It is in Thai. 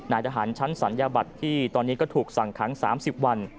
ทหารชั้นศัลยบัตรที่ตอนนี้ก็ถูกสั่งขัง๓๐วัน